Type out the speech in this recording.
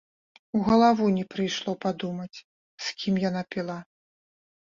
У галаву не прыйшло падумаць, з кім яна піла.